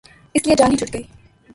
اس لیے جان ہی چھوٹ گئی۔